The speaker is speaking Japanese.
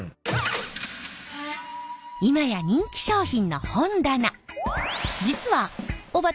今や人気商品の本棚。